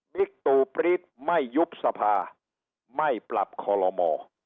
นิกตู่ปริศไม่ยุบสภาไม่ปรับขลมอ